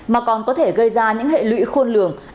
mà còn có thể gây ra những hệ lụy khôn lường